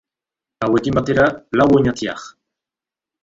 Hauekin batera, lau oñatiar.